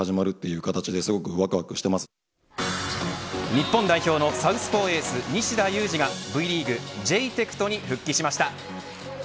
日本代表のサウスポーエース西田有志がＶリーグジェイテクトに復帰しました。